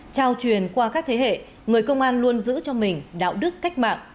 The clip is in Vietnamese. trao truyền qua các thế hệ người công an luôn giữ cho mình đạo đức cách mạng